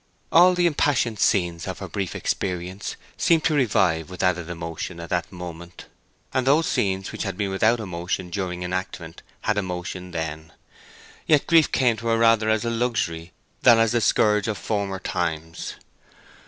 All the impassioned scenes of her brief experience seemed to revive with added emotion at that moment, and those scenes which had been without emotion during enactment had emotion then. Yet grief came to her rather as a luxury than as the scourge of former times.